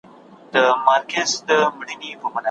نور تولیدات په صفر کې دي.